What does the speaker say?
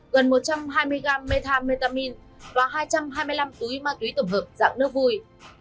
gần một trăm hai mươi g metham metamine và hai trăm hai mươi năm túi ma túy tổng hợp dạng nước vui